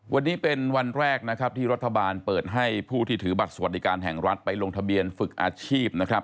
วันนี้เป็นวันแรกนะครับที่รัฐบาลเปิดให้ผู้ที่ถือบัตรสวัสดิการแห่งรัฐไปลงทะเบียนฝึกอาชีพนะครับ